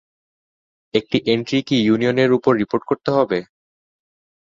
একটি এন্ট্রি কি ইউনিয়নের উপর রিপোর্ট করতে হবে?